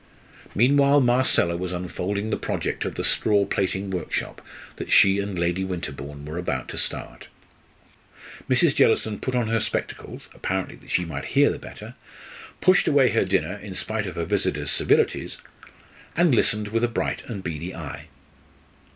Meanwhile Marcella was unfolding the project of the straw plaiting workshop that she and Lady Winterbourne were about to start. Mrs. Jellison put on her spectacles apparently that she might hear the better, pushed away her dinner in spite of her visitors' civilities, and listened with a bright and beady eye.